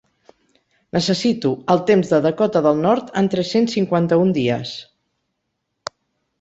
Necessito el temps de Dakota del Nord en tres-cents cinquanta-un dies